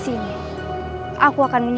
nimas akan datang kembali